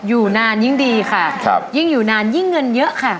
อยู่นานยิ่งดีค่ะครับยิ่งอยู่นานยิ่งเงินเยอะค่ะ